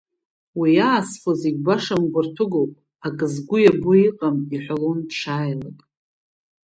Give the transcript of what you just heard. Уа иаасфо зегьы баша мгәарҭәыгоуп, акы сгәы иабо иҟам, иҳәалон уи дшааилак.